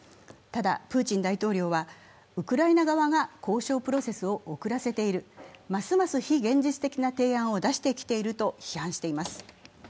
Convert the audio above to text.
ただ、プーチン大統領はウクライナ側が交渉プロセスを遅らせているますます非現実的提案を出してきていると批判しています。